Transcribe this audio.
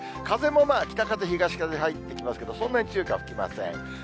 風も北風、東風、入ってきますけど、そんなに強くは吹きません。